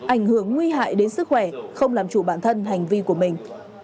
ảnh hưởng nguy hại đến sức khỏe không làm chủ bản thân hành vi của mình